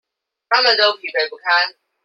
他們都疲憊不堪